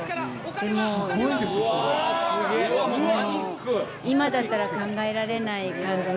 もう、今だったら考えられない感